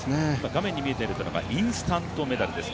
画面に見えているのがインスタントメダルです。